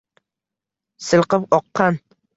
Silqib oqqan